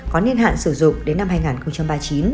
có niên hạn sử dụng đến năm hai nghìn ba mươi chín